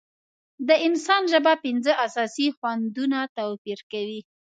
د انسان ژبه پنځه اساسي خوندونه توپیر کوي.